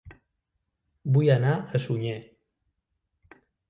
Vull anar a Sunyer